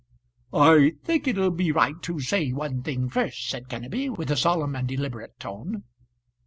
"I think it'll be right to say one thing first," said Kenneby, with a solemn and deliberate tone.